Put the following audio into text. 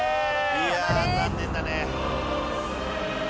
いやあ残念だね。